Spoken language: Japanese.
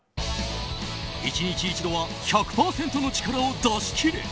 １日一度は１００％の力を出し切れ。